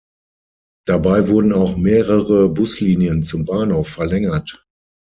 Dabei wurden auch mehrere Buslinien zum Bahnhof verlängert.